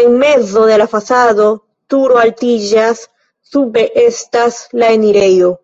En mezo de la fasado turo altiĝas, sube estas la enirejo.